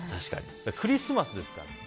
クリスマスですから。